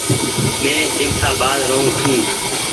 مين جيمشآبآد رهون ڇون۔